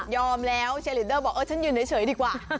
แล้วเชลิเตอร์บอกเออฉันยืนเฉยดีกว่า